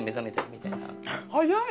早い。